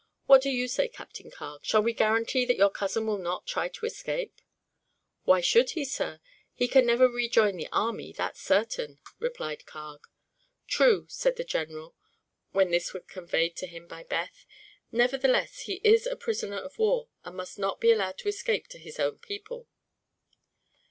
What do you say, Captain Carg? Shall we guarantee that your cousin will not try to escape?" "Why should he, sir? He can never rejoin the army, that's certain," replied Carg. "True," said the general, when this was conveyed to him by Beth. "Nevertheless, he is a prisoner of war, and must not be allowed to escape to his own people."